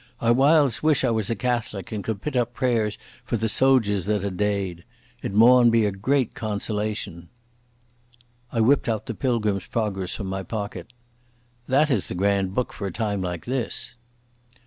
I whiles wish I was a Catholic and could pit up prayers for the sodgers that are deid. It maun be a great consolation." I whipped out the Pilgrim's Progress from my pocket. "That is the grand book for a time like this."